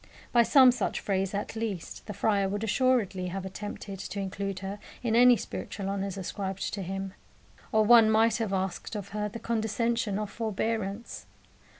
By some such phrase, at least, the friar would assuredly have attempted to include her in any spiritual honours ascribed to him. Or one might have asked of her the condescension of forbearance.